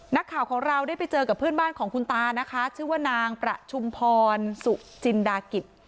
นักข่าวของเราได้ไปเจอกับเพื่อนบ้านของคุณตานะคะชื่อว่านางประชุมพรสุจินดากิจ